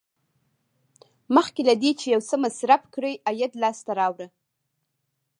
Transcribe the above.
مخکې له دې چې یو څه مصرف کړئ عاید لاسته راوړه.